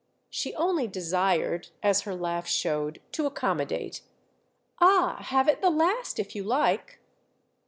She only desired, as her laugh showed, to accommodate. "Ah, have it the last if you like!"